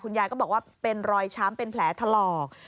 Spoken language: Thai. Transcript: ยายก็บอกว่าเป็นรอยช้ำเป็นแผลถลอก